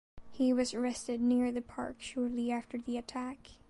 He was arrested near the park shortly after the attack.